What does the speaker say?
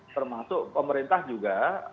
termasuk pemerintah juga